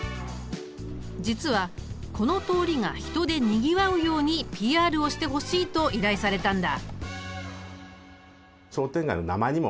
実はこの通りが人でにぎわうようにＰＲをしてほしいと依頼されたんだ。